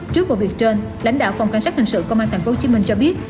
trước vụ việc trên lãnh đạo phòng cảnh sát hình sự công an tp hcm cho biết